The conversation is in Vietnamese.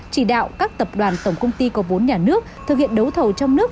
chỉ đạo các tập đoàn tổng công ty có vốn nhà nước thực hiện đấu thầu trong nước